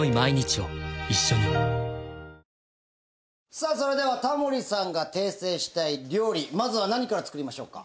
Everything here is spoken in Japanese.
さあそれではタモリさんが訂正したい料理まずは何から作りましょうか？